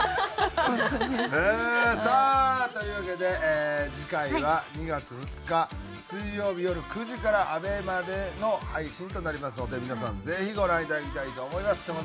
さあというわけで次回は２月２日水曜日よる９時からＡＢＥＭＡでの配信となりますので皆さんぜひご覧頂きたいと思います。